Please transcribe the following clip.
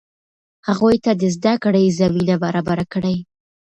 هغوی ته د زده کړې زمینه برابره کړئ.